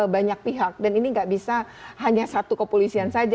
banyak pihak dan ini nggak bisa hanya satu kepolisian saja